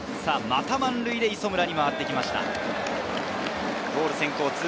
また満塁で磯村に回ってきました。